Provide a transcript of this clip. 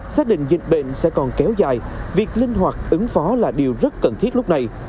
xác định dịch bệnh sẽ còn kéo dài việc linh hoạt ứng phó là điều rất cần thiết lúc này